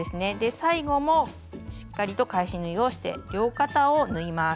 最後もしっかりと返し縫いをして両肩を縫います。